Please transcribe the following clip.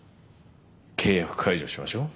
契約解除しましょう。